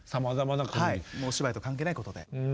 はいお芝居と関係ないことで。